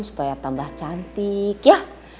supaya tambah cantik ya